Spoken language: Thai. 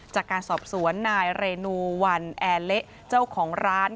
จากการสอบสวนนายเรนูวันแอร์เละเจ้าของร้าน